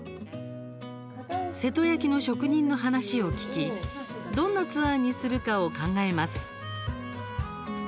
瀬戸焼の職人の話を聞きどんなツアーにするかを考えます。